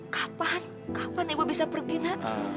kapan kapan ibu bisa pergi nak